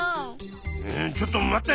えちょっと待って。